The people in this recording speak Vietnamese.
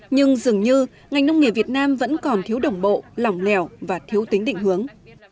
nhưng dường như ngành nông nghiệp việt nam vẫn còn thiếu đồng bộ lỏng lẻo và thiếu tính định hướng